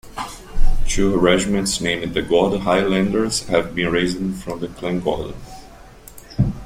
Two regiments named the "Gordon Highlanders" have been raised from the Clan Gordon.